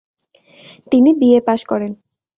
তিনি BA pass করেন ।